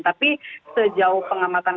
tapi sejauh pengamatan